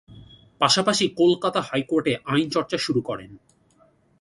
পাশাপাশি কলকাতা হাইকোর্ট-এ আইন চর্চা শুরু করেন।